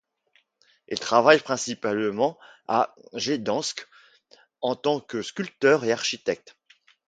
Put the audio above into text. Il travaille principalement à Gdańsk en tant que sculpteur et architecte.